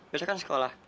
besok kan sekolah